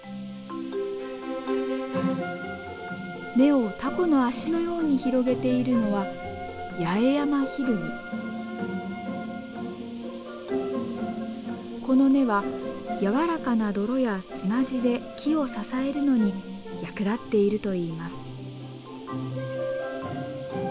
根をタコの足のように広げているのはこの根は柔らかな泥や砂地で木を支えるのに役立っているといいます。